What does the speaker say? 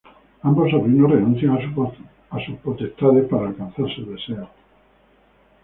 Ambos sobrinos renuncian a sus potestades para alcanzar sus deseos.